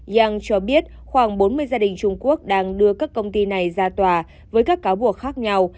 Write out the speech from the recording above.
yang cho biết khoảng bốn mươi gia đình trung quốc đang đưa các công ty này ra tòa với các cáo buộc khác nhau